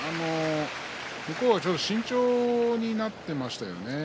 向こうは、ちょっと慎重になっていましたよね。